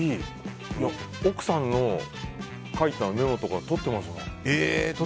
奥さんの書いたメモとか取っていますもん。